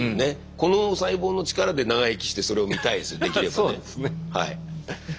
この細胞の力で長生きしてそれを見たいですよ